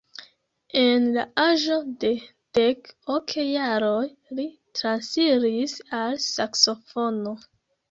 En la aĝo de dek ok jaroj li transiris al saksofono.